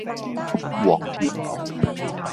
鍋貼